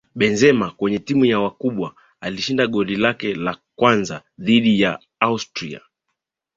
Benzema kwenye timu ya wakubwa alishinda goli lake la kwanza dhidi ya Austria